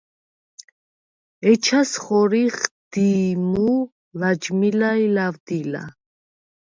ეჩას ხორიხ: დი̄ჲმუ, ლაჯმილა ი ლავდილა.